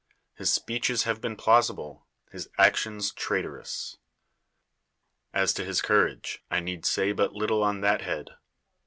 His speeches have been plausible, his actions traitorous. As to his courage, I need say but little on that head.